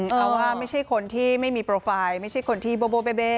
เอาว่าไม่ใช่คนที่ไม่มีโปรไฟล์ไม่ใช่คนที่โบเบ